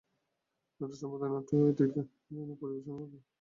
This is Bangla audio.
নাট্যসম্প্রদায় নাটুয়া এদিন তাদের পরিবেশনা দিয়ে মাতিয়ে রাখে মেলায় আসা লোকজনকে।